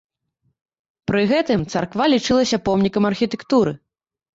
Пры гэтым царква лічылася помнікам архітэктуры.